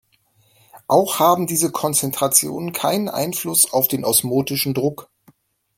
Auch haben diese Konzentrationen keinen Einfluss auf den osmotischen Druck.